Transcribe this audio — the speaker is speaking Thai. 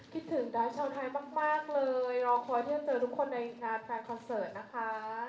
คิดถึงดาดชาวไทยมากเลยรอคอยที่จะเจอทุกคนในงานแฟนคอนเสิร์ตนะคะ